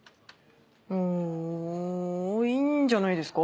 あぁいいんじゃないですか？